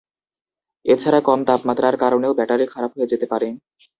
এছাড়া কম তাপমাত্রার কারণেও ব্যাটারি খারাপ হয়ে যেতে পারে।